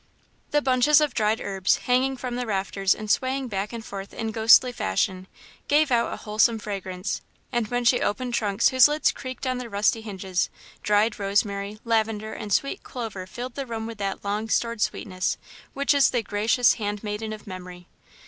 The bunches of dried herbs, hanging from the rafters and swaying back and forth in ghostly fashion, gave out a wholesome fragrance, and when she opened trunks whose lids creaked on their rusty hinges, dried rosemary, lavender, and sweet clover filled the room with that long stored sweetness which is the gracious handmaiden of Memory.